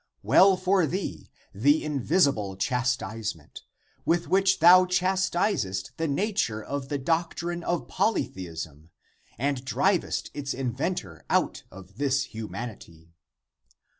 Well for thee the invisible chastisement, with which thou chastisest the nature of the doctrine of polytheism and drivest its inventor out of this humanity!